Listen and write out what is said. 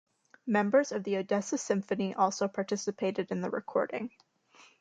Members of the Odessa Symphony also participated in the recording.